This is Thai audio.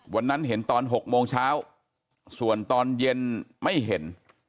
วันนั้นเห็นตอน๖โมงเช้าส่วนตอนเย็นไม่เห็น